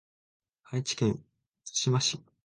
愛知県津島市